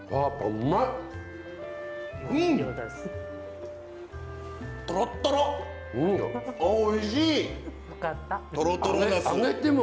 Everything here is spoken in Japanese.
うまい！